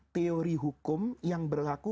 teori hukum yang berlaku